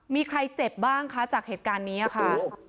มีใครเจ็บบ้างคะจากเหตุการณ์นี้ค่ะ